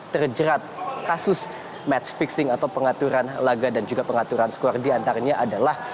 terjerat kasus match fixing atau pengaturan laga dan juga pengaturan skor diantaranya adalah